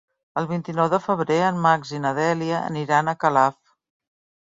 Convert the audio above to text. El vint-i-nou de febrer en Max i na Dèlia aniran a Calaf.